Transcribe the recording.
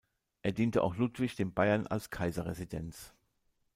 Er diente auch Ludwig dem Bayern als Kaiserresidenz.